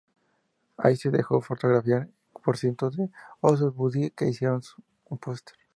Allí se dejó fotografiar con cientos de Osos Buddy e hicieron un póster.